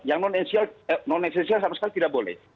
yang non esensial sama sekali tidak boleh